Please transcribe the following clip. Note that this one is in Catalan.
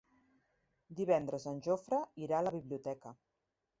Divendres en Jofre irà a la biblioteca.